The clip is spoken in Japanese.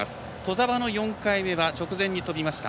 兎澤の４回目は直前に跳びました。